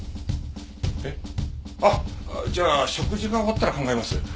えっ？あっじゃあ食事が終わったら考えます。